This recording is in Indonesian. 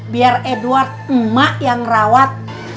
biar edward emak yang rawat